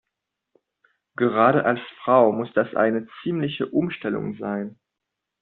Gerade als Frau muss das eine ziemliche Umstellung sein.